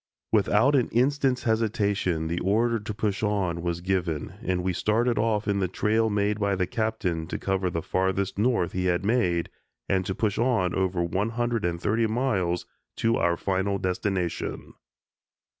Without an instant's hesitation, the order to push on was given, and we started off in the trail made by the Captain to cover the Farthest North he had made and to push on over one hundred and thirty miles to our final destination.